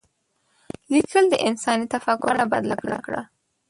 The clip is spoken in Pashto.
لیکل د انساني تفکر بڼه بدله کړه.